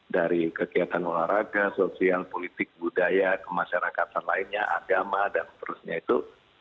dari kegiatan olahraga sosial politik budaya kemasyarakatan lainnya agama dan seterusnya itu